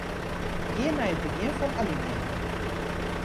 Gean nei it begjin fan alinea.